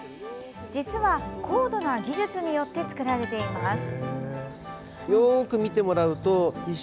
実は、高度な技術によって造られています。